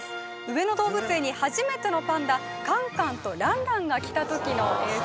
上野動物園に初めてのパンダカンカンとランランが来たときの映像です